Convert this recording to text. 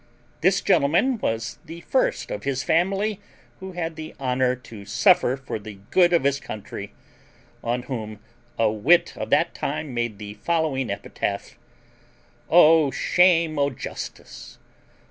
This gentleman was the first of his family who had the honour to suffer for the good of his country: on whom a wit of that time made the following epitaph: O shame o' justice!